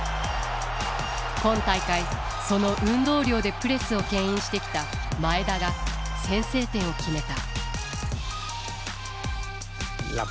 今大会その運動量でプレスをけん引してきた前田が先制点を決めた。